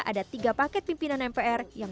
ada tiga paket pimpinan mpr yang